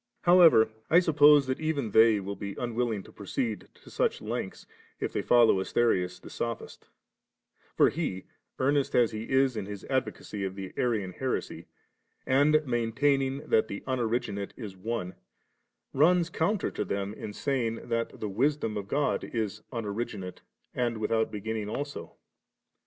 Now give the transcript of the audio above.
33. However, I suppose even they will be unwilling to proceed to such lengths, if they follow Asterius the sophist For he, earnest as he is in his advocacy of the Arian heresy, and maintaining that the Unoriginate is one, runs counter to Siem in saying, that the Wisdom of God is unoriginate and without beginning also.